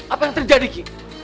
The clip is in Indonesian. apa yang terjadi ki